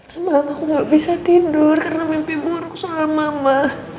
sebab aku gak bisa tidur karena mimpi buruk soal mama